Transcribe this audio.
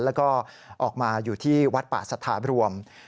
แล้วก็ออกมาอยู่ที่วัดป่าสถาบรวม